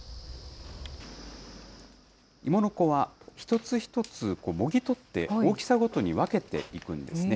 いものこは、一つ一つもぎ取って、大きさごとに分けていくんですね。